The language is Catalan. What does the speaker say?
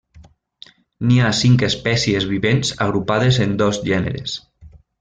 N'hi ha cinc espècies vivents agrupades en dos gèneres.